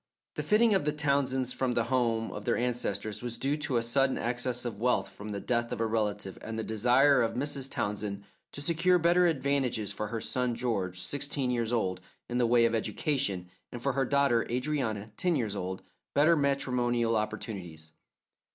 The flitting of the Townsends from the home of their ancestors was due to a sudden access of wealth from the death of a relative and the desire of Mrs. Townsend to secure better advantages for her son George, sixteen years old, in the way of education, and for her daughter Adrianna, ten years older, better matrimonial opportunities.